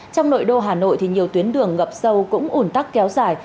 trong nội đô hà nội nhiều tuyến đường ngập sâu cũng ủn tắc kéo dài